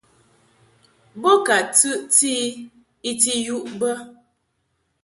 Bo ka tɨʼti I I ti yuʼ bə.